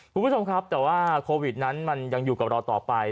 คุณผู้ชมครับแต่ว่าโควิดนั้นมันยังอยู่กับเราต่อไป